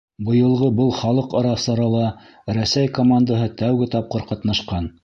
Быйылғы был халыҡ-ара сарала Рәсәй командаһы тәүге тапҡыр ҡатнашҡан.